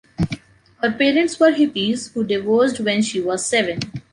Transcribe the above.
Her parents were hippies who divorced when she was seven.